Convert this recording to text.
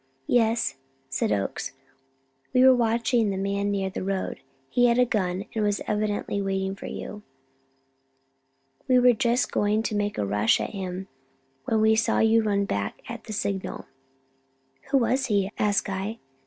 "Yes," said Oakes, "we were watching the man near the road. He had a gun, and was evidently waiting for you. We were just going to make a rush at him when we saw you run back at the signal." "Who was he?" asked I.